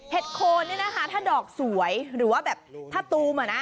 เห็ดโค้นถ้าดอกสวยหรือว่าแบบถ้าตูม